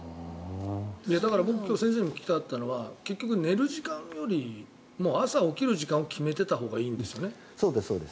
だから僕今日先生に聞きたかったのは結局寝る時間よりも朝起きる時間をそうです。